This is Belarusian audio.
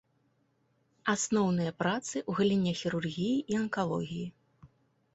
Асноўныя працы ў галіне хірургіі і анкалогіі.